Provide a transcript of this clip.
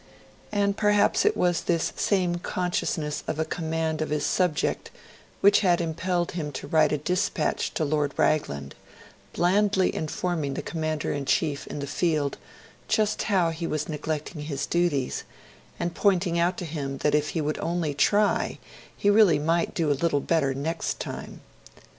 And perhaps it was this same consciousness of a command of his subject which had impelled him to write a dispatch to Lord Raglan, blandly informing the Commander in Chief in the Field just how he was neglecting his duties, and pointing out to him that if he would only try he really might do a little better next time.